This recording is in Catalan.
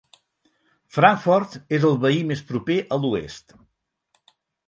Frankfort és el veí més proper a l'oest.